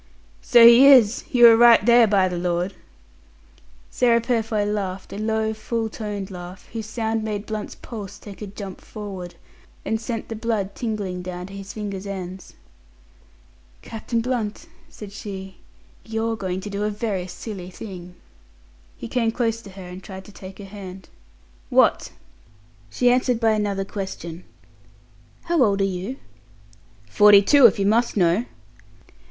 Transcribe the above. "So he is. You are right there, by the Lord." Sarah Purfoy laughed a low, full toned laugh, whose sound made Blunt's pulse take a jump forward, and sent the blood tingling down to his fingers ends. "Captain Blunt," said she, "you're going to do a very silly thing." He came close to her and tried to take her hand. "What?" She answered by another question. "How old are you?" "Forty two, if you must know."